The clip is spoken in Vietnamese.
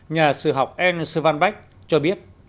nhà sư học ernst von bach cho biết